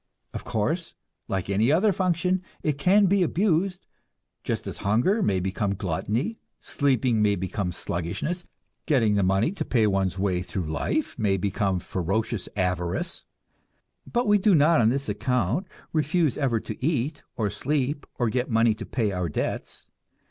Of course, like any other function it can be abused; just as hunger may become gluttony, sleeping may become sluggishness, getting the money to pay one's way through life may become ferocious avarice. But we do not on this account refuse ever to eat or sleep or get money to pay our debts.